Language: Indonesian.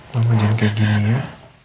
mama jangan kayak gini ya